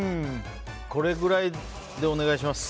これぐらいでお願いします。